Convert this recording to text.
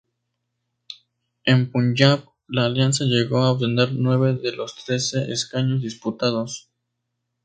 En Punjab, la Alianza llegó a obtener nueve de los trece escaños disputados.